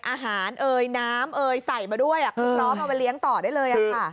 อาหารเอ่ยน้ำเอ่ยใส่มาด้วยคุณพร้อมเอาไปเลี้ยงต่อได้เลยค่ะ